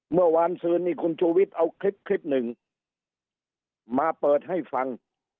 เมื่อวานซื้อนี่คุณชูวิทย์เอาคลิปคลิปหนึ่งมาเปิดให้ฟัง